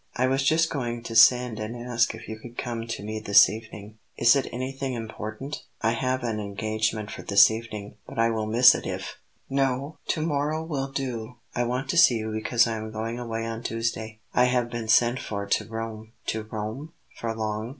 "I was just going to send and ask if you could come to me this evening." "Is it anything important? I have an engagement for this evening; but I will miss it if " "No; to morrow will do. I want to see you because I am going away on Tuesday. I have been sent for to Rome." "To Rome? For long?"